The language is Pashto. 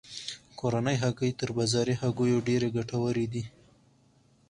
کورنۍ هګۍ تر بازاري هګیو ډیرې ګټورې دي.